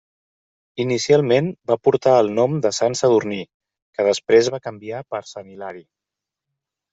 Inicialment va portar el nom de Sant Sadurní, que després va canviar per Sant Hilari.